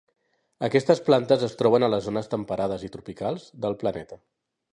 Aquestes plantes es troben a les zones temperades i tropicals del planeta.